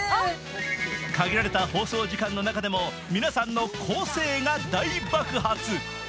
限られた放送時間の中でも皆さんの個性が大爆発。